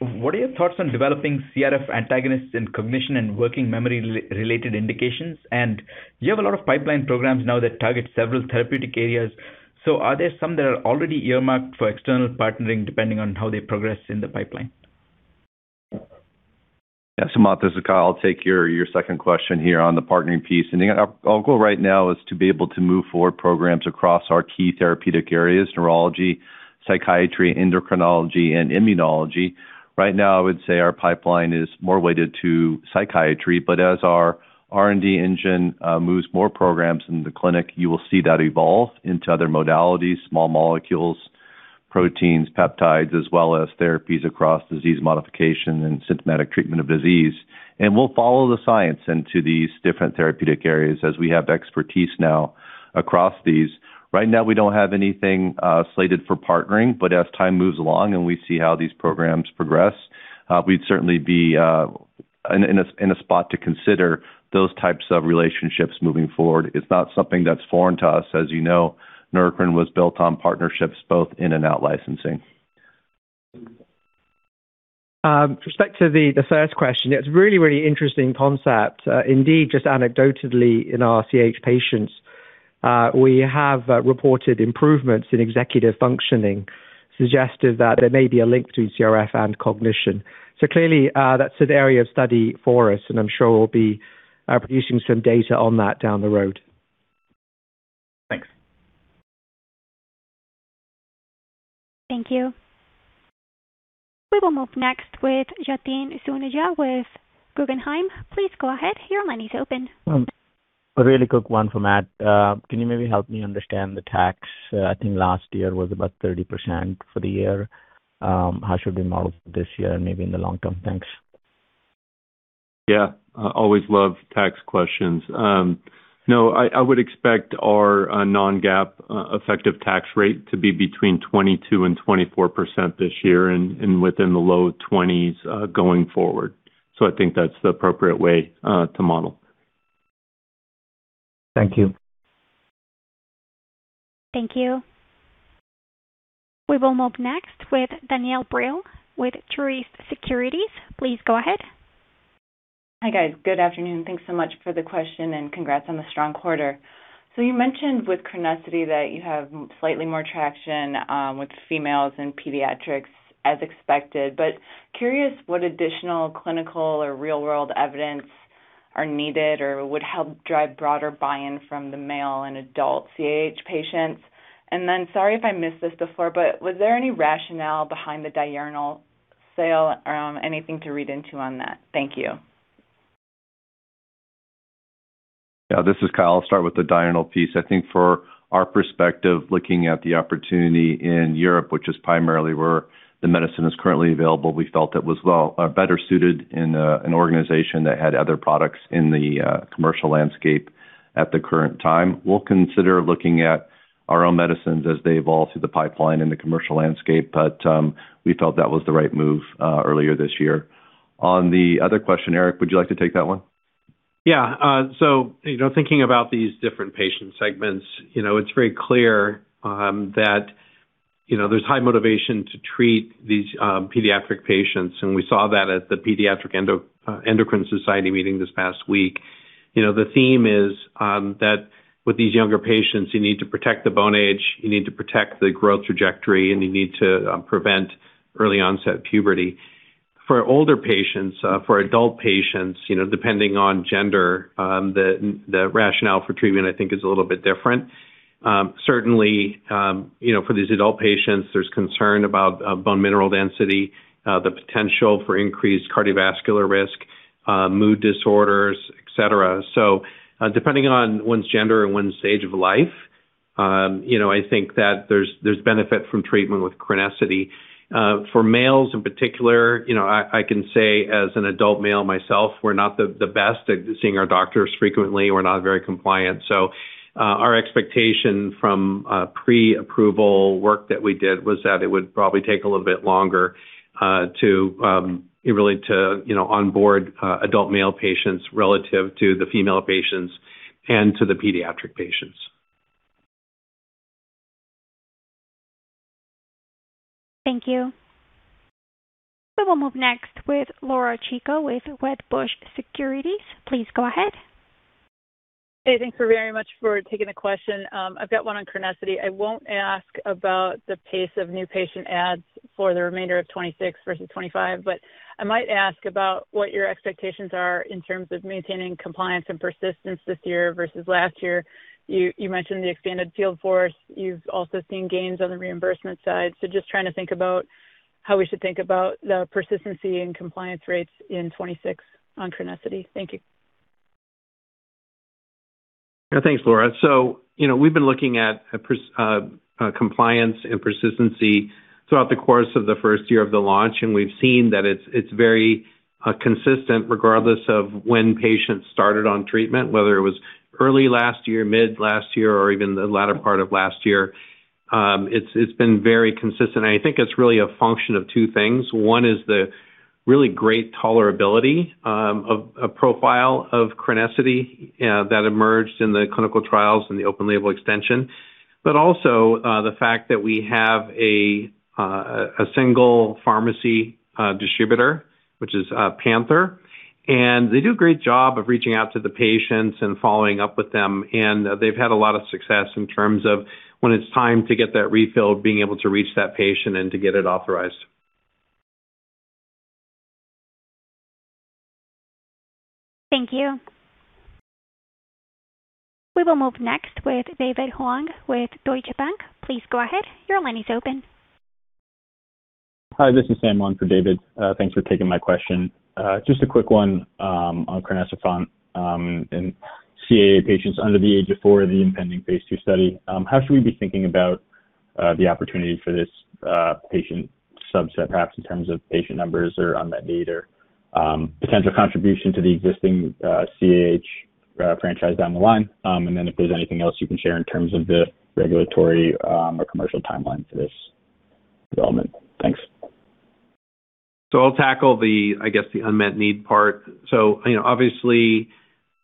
What are your thoughts on developing CRF antagonists in cognition and working memory re-related indications? You have a lot of pipeline programs now that target several therapeutic areas. Are there some that are already earmarked for external partnering depending on how they progress in the pipeline? Yeah. Matt, this is Kyle. I'll take your second question here on the partnering piece. Our goal right now is to be able to move forward programs across our key therapeutic areas, neurology, psychiatry, endocrinology, and immunology. Right now, I would say our pipeline is more weighted to psychiatry, but as our R&D engine moves more programs into the clinic, you will see that evolve into other modalities, small molecules, proteins, peptides, as well as therapies across disease modification and symptomatic treatment of disease. We'll follow the science into these different therapeutic areas as we have expertise now across these. Right now, we don't have anything slated for partnering, but as time moves along and we see how these programs progress, we'd certainly be in a spot to consider those types of relationships moving forward. It's not something that's foreign to us. As you know, Neurocrine was built on partnerships both in and out licensing. With respect to the first question, it's really, really interesting concept. Indeed, just anecdotally in our CAH patients, we have reported improvements in executive functioning, suggestive that there may be a link to CRF and cognition. Clearly, that's an area of study for us, and I'm sure we'll be producing some data on that down the road. Thanks. Thank you. We will move next with Yatin Suneja with Guggenheim. Please go ahead. Your line is open. A really quick one for Matt. Can you maybe help me understand the tax? I think last year was about 30% for the year. How should we model this year and maybe in the long term? Thanks. Yeah. I always love tax questions. No, I would expect our Non-GAAP effective tax rate to be between 22% and 24% this year and within the low 20s going forward. I think that's the appropriate way to model. Thank you. Thank you. We will move next with Danielle Brill with Truist Securities. Please go ahead. Hi, guys. Good afternoon. Thanks so much for the question and congrats on the strong quarter. You mentioned with CRENESSITY that you have slightly more traction with females in pediatrics as expected, but curious what additional clinical or real-world evidence are needed or would help drive broader buy-in from the male and adult CAH patients. Sorry if I missed this before, but was there any rationale behind the Diurnal sale or anything to read into on that? Thank you. Yeah. This is Kyle Gano. I'll start with the Diurnal piece. I think for our perspective, looking at the opportunity in Europe, which is primarily where the medicine is currently available, we felt it was well better suited in an organization that had other products in the commercial landscape at the current time. We'll consider looking at our own medicines as they evolve through the pipeline in the commercial landscape, but we felt that was the right move earlier this year. On the other question, Eric Benevich, would you like to take that one? Yeah. You know, thinking about these different patient segments, you know, it's very clear, you know, there's high motivation to treat these pediatric patients, and we saw that at the Pediatric Endocrine Society meeting this past week. You know, the theme is that with these younger patients, you need to protect the bone age, you need to protect the growth trajectory, and you need to prevent early onset puberty. For older patients, for adult patients, you know, depending on gender, the rationale for treatment, I think, is a little bit different. Certainly, you know, for these adult patients, there's concern about bone mineral density, the potential for increased cardiovascular risk, mood disorders, et cetera. Depending on one's gender and one's stage of life, you know, I think that there's benefit from treatment with CRENESSITY. For males in particular, you know, I can say as an adult male myself, we're not the best at seeing our doctors frequently. We're not very compliant. Our expectation from pre-approval work that we did was that it would probably take a little bit longer to, you know, onboard adult male patients relative to the female patients and to the pediatric patients. Thank you. We will move next with Laura Chico with Wedbush Securities. Please go ahead. Hey, thanks very much for taking the question. I've got one on CRENESSITY. I won't ask about the pace of new patient adds for the remainder of 2026 versus 2025, but I might ask about what your expectations are in terms of maintaining compliance and persistence this year versus last year. You mentioned the expanded field force. You've also seen gains on the reimbursement side. Just trying to think about how we should think about the persistency and compliance rates in 2026 on CRENESSITY. Thank you. Yeah. Thanks, Laura. You know, we've been looking at compliance and persistency throughout the course of the first year of the launch, and we've seen that it's very consistent regardless of when patients started on treatment, whether it was early last year, mid last year, or even the latter part of last year. It's been very consistent. I think it's really a function of two things. One is the really great tolerability of a profile of CRENESSITY that emerged in the clinical trials and the open-label extension. Also, the fact that we have a single pharmacy distributor, which is PANTHERx Rare, and they do a great job of reaching out to the patients and following up with them. They've had a lot of success in terms of when it's time to get that refill, being able to reach that patient and to get it authorized. Thank you. We will move next with David Huang with Deutsche Bank. Please go ahead. Your line is open. Hi, this is Sam Huang for David. Thanks for taking my question. Just a quick one on crinecerfont and CAH patients under the age of 4, phase II study. how should we be thinking about the opportunity for this patient subset, perhaps in terms of patient numbers or unmet need or potential contribution to the existing CAH franchise down the line? Then if there's anything else you can share in terms of the regulatory or commercial timeline for this development. Thanks. I'll tackle the unmet need part. You know, obviously,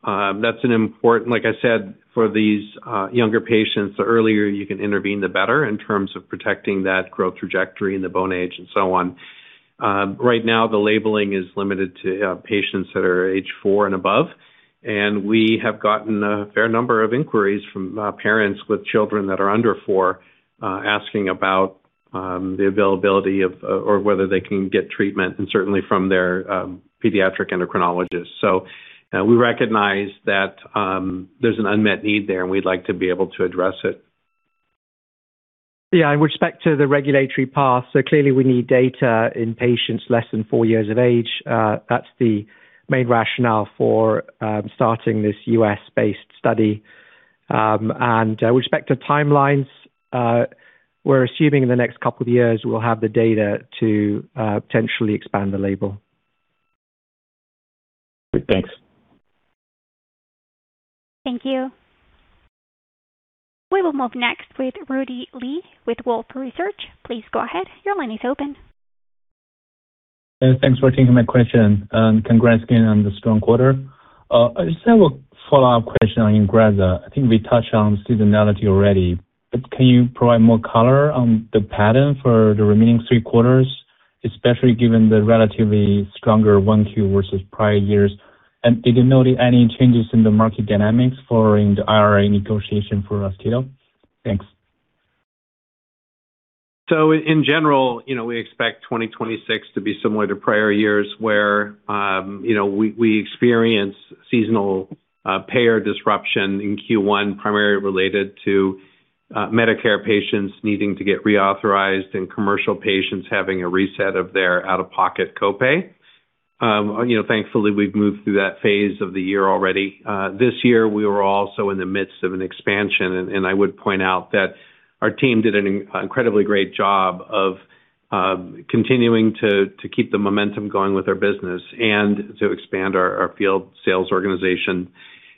like I said, for these younger patients, the earlier you can intervene, the better in terms of protecting that growth trajectory and the bone age and so on. Right now, the labeling is limited to patients that are age 4 and above. We have gotten a fair number of inquiries from parents with children that are under 4, asking about the availability of or whether they can get treatment, and certainly from their pediatric endocrinologist. We recognize that there's an unmet need there, and we'd like to be able to address it. Yeah, in respect to the regulatory path, clearly we need data in patients less than 4 years of age. That's the main rationale for starting this U.S. based study. With respect to timelines, we're assuming in the next 2 years we'll have the data to potentially expand the label. Great. Thanks. Thank you. We will move next with Rudy Lee with Wolfe Research. Please go ahead. Your line is open. Thanks for taking my question, and congrats again on the strong quarter. Just have a follow-up question on INGREZZA. I think we touched on seasonality already, but can you provide more color on the pattern for the remaining three quarters, especially given the relatively stronger one Q versus prior years? Did you notice any changes in the market dynamics for the IRA negotiation for Raftio? Thanks. In general, you know, we expect 2026 to be similar to prior years, where, you know, we experience seasonal payer disruption in Q1, primarily related to Medicare patients needing to get reauthorized and commercial patients having a reset of their out-of-pocket copay. You know, thankfully, we've moved through that phase of the year already. This year we were also in the midst of an expansion. I would point out that our team did an incredibly great job of continuing to keep the momentum going with our business and to expand our field sales organization.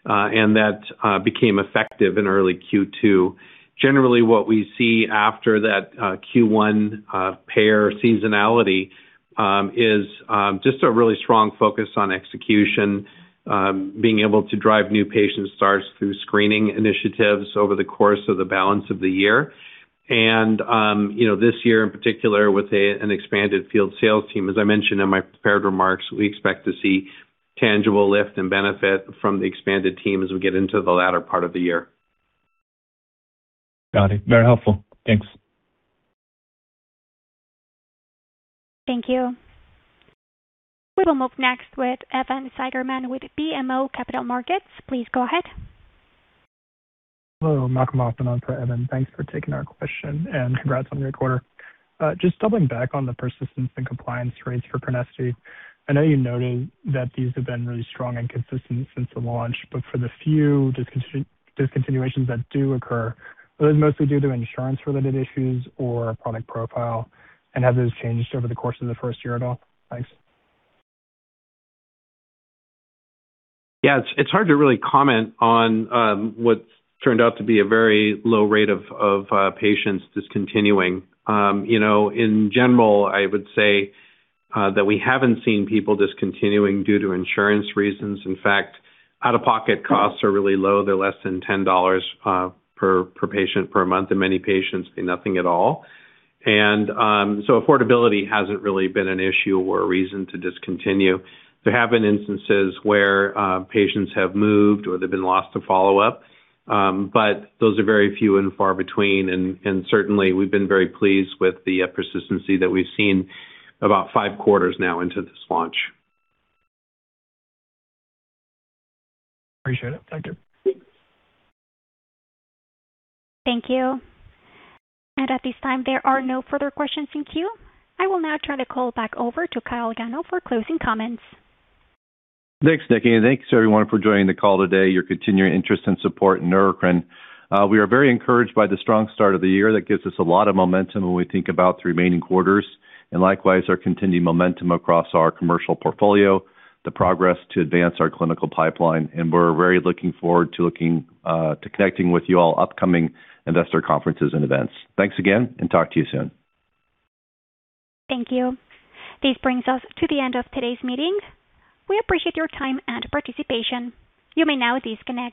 That became effective in early Q2. Generally, what we see after that Q1 payer seasonality is just a really strong focus on execution, being able to drive new patient starts through screening initiatives over the course of the balance of the year. You know, this year in particular with an expanded field sales team, as I mentioned in my prepared remarks, we expect to see tangible lift and benefit from the expanded team as we get into the latter part of the year. Got it. Very helpful. Thanks. Thank you. We will move next with Evan Seigerman with BMO Capital Markets. Please go ahead. Hello, Malcolm often on for Evan. Thanks for taking our question. Congrats on your quarter. Just doubling back on the persistence and compliance rates for CRENESSITY. I know you noted that these have been really strong and consistent since the launch. For the few discontinuations that do occur, are those mostly due to insurance-related issues or product profile, and have those changed over the course of the first year at all? Thanks. Yeah. It's hard to really comment on what's turned out to be a very low rate of patients discontinuing. You know, in general, I would say that we haven't seen people discontinuing due to insurance reasons. In fact, out-of-pocket costs are really low. They're less than $10 per patient per month, and many patients pay nothing at all. Affordability hasn't really been an issue or a reason to discontinue. There have been instances where patients have moved or they've been lost to follow-up, those are very few and far between. Certainly we've been very pleased with the persistency that we've seen about 5 quarters now into this launch. Appreciate it. Thank you. Thank you. At this time, there are no further questions in queue. I will now turn the call back over to Kyle Gano for closing comments. Thanks, Nikki, and thanks everyone for joining the call today, your continuing interest and support in Neurocrine. We are very encouraged by the strong start of the year. That gives us a lot of momentum when we think about the remaining quarters and likewise, our continuing momentum across our commercial portfolio, the progress to advance our clinical pipeline. We're very looking forward to connecting with you all upcoming investor conferences and events. Thanks again and talk to you soon. Thank you. This brings us to the end of today's meeting. We appreciate your time and participation. You may now disconnect.